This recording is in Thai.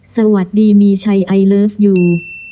สวัสดีมีชัยไอเลิฟยู